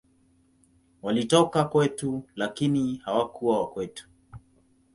Walitoka kwetu, lakini hawakuwa wa kwetu.